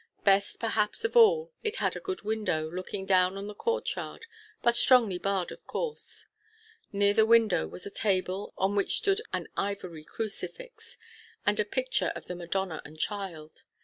Best perhaps of all, it had a good window, looking down on the courtyard, but strongly barred, of course. Near the window was a table, upon which stood an ivory crucifix, and a picture of the Madonna and child.